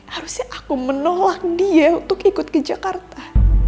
harusnya aku menolak dia untuk ikut ke jakarta